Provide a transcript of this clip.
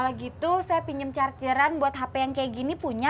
kalo gitu saya pinjem chargeran buat hape yang kaya gini punya